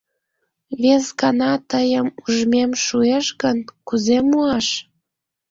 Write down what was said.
— Вес гана тыйым ужмем шуэш гын, кузе муаш?